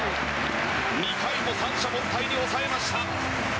２回も三者凡退に抑えました。